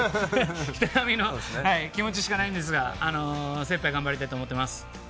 人並みの気持ちしかないんですが精いっぱい頑張りたいと思ってます。